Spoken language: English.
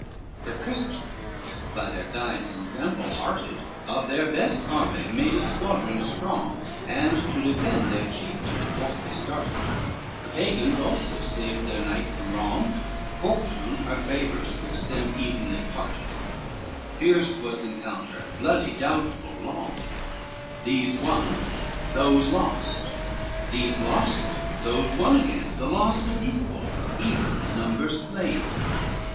LI The Christians by their guide's ensample hearted, Of their best armed made a squadron strong, And to defend their chieftain forth they started: The Pagans also saved their knight from wrong, Fortune her favors twixt them evenly parted, Fierce was the encounter, bloody, doubtful, long; These won, those lost; these lost, those won again; The loss was equal, even the numbers slain.